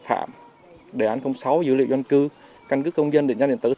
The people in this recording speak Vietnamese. phạm đề án sáu dữ liệu doanh cư căn cứ công dân địa nhà điện tử